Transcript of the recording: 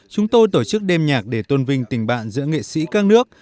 chúng tôi tổ chức đêm nhạc để tôn vinh tình bạn giữa nghệ sĩ các nước